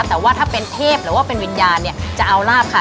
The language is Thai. แต่ว่าถ้าเป็นเทพหรือว่าเป็นวิญญาณเนี่ยจะเอาลาบค่ะ